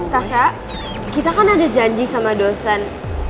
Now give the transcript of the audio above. tasha kita kan ada janji sama dosen